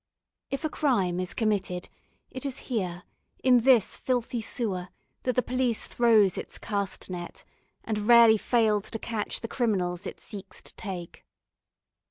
If a crime is committed, it is here, in this filthy sewer, that the police throws its cast net, and rarely fails to catch the criminals it seeks to take.